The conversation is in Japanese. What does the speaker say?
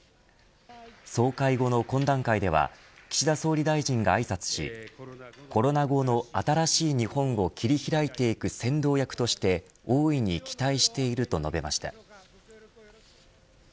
総会後の懇談会では岸田総理大臣があいさつしコロナ後の新しい日本を切り開いていく先導役として大いに期待していると述べました。